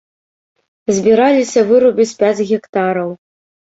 Збіраліся вырубіць пяць гектараў.